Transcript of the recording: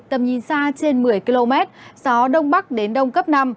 tầm nhìn xa trên một mươi km gió đông bắc đến đông cấp năm